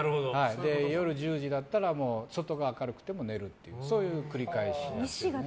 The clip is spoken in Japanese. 夜１０時だったら外が明るくても寝るというそういう繰り返しで。